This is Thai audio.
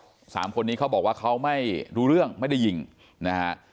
เพราะสามคนนี้เขาบอกว่าเขาไม่รู้เรื่องไม่ได้ยิงนะฮะ